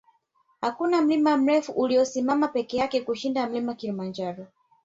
hakuna mlima mrefu uliyosimama peke yake kushinda mlima kilimanjaro